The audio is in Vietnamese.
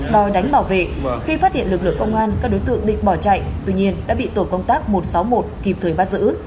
đòi đánh bảo vệ khi phát hiện lực lượng công an các đối tượng định bỏ chạy tuy nhiên đã bị tổ công tác một trăm sáu mươi một kịp thời bắt giữ